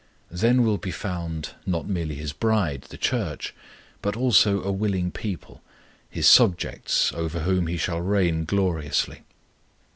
Then will be found not merely His bride, the Church, but also a willing people, His subjects, over whom He shall reign gloriously.